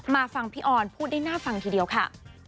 มาฟังพี่ออนพูดได้น่าฟังทีเดียวค่ะ